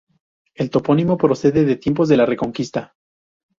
El topónimo procede de tiempos de la Reconquista.